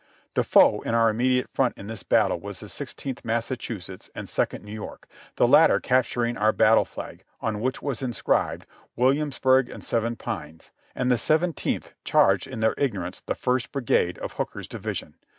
The foe in our immediate front in this battle was the Sixteenth Massachusetts and Second New York, the latter capturing our battle flag, on which was' inscribed "Williamsburg and Seven Pines," and the Seventeenth charged in their ignorance the First P>rigade of Hooker's division.